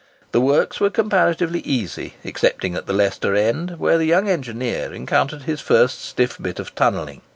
The works were comparatively easy, excepting at the Leicester end, where the young engineer encountered his first stiff bit of tunnelling.